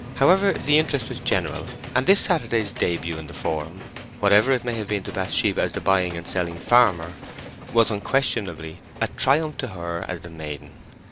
However, the interest was general, and this Saturday's début in the forum, whatever it may have been to Bathsheba as the buying and selling farmer, was unquestionably a triumph to her as the maiden.